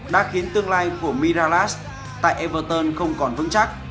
đã khiến tương lai của miralas tại everton không còn vững chắc